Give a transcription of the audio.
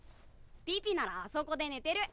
ピピならあそこで寝てる。